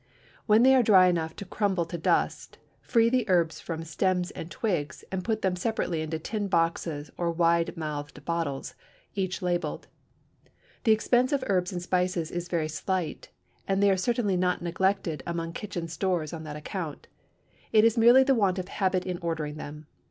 When they are dry enough to crumble to dust, free the herbs from stems and twigs, and put them separately into tin boxes or wide mouthed bottles, each labelled. The expense of herbs and spices is very slight, and they are certainly not neglected among kitchen stores on that account; it is merely the want of habit in ordering them.